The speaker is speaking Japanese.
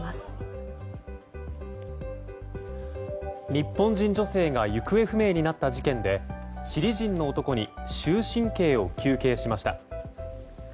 日本人女性が行方不明になった事件でチリ人の男に終身刑を求刑しました。